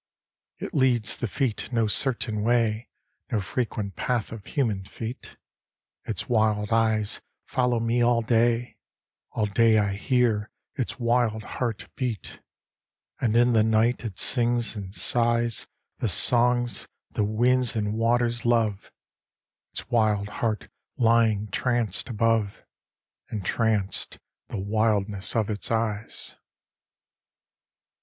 It leads the feet no certain way, No frequent path of human feet: Its wild eyes follow me all day, All day I hear its wild heart beat: And in the night it sings and sighs The songs the winds and waters love; Its wild heart lying tranced above, And tranced the wildness of its eyes.